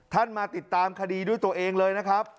มาติดตามคดีด้วยตัวเองเลยนะครับ